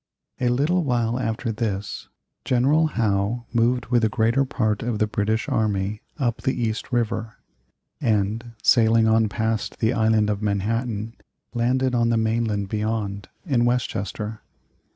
A little while after this General Howe moved with the greater part of the British army up the East River, and sailing on past the Island of Manhattan, landed on the mainland beyond in Westchester.